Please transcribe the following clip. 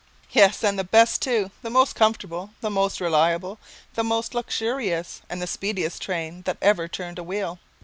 Yes, and the best too, the most comfortable, the most reliable, the most luxurious and the speediest train that ever turned a wheel.